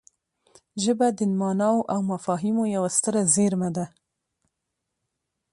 ژبه د ماناوو او مفاهیمو یوه ستره زېرمه ده